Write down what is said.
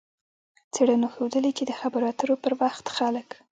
څېړنو ښودلې چې د خبرو اترو پر وخت خلک